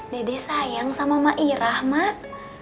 dede sayang sama mak irah mak